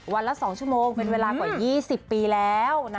วันละ๒ชั่วโมงเป็นเวลากว่า๒๐ปีแล้วนะ